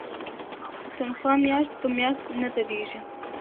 تنخوا میاشت په میاشت نه دریږي.